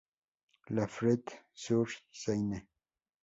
La Frette-sur-Seine